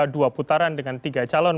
dua putaran dengan tiga calon